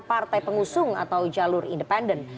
partai pengusung atau jalur independen